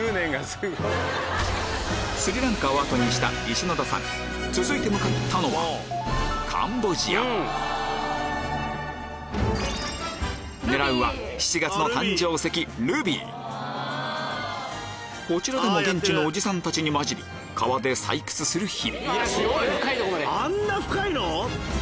スリランカを後にした石野田さん続いて向かったのは狙うはこちらでも現地のおじさんたちに交じり川で採掘する日々あんな深いの？